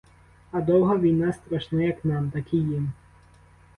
А довга війна страшна як нам, так і їм.